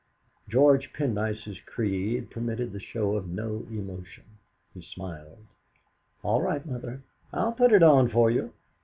George Pendyce's creed permitted the show of no emotion. He smiled. "All right, mother, I'll put it on for you.